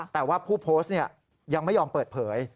แต่ว่าผู้โพสต์ยังไม่ยอมเปิดเผย